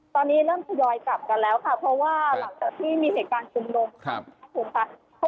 ตอนนี้เริ่มทยอยกลับกันแล้วค่ะเพราะว่าหลังจากที่มีเหตุการณ์ชุมนุมค่ะ